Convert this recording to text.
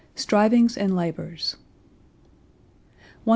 STRIVINGS AND LABORS 150.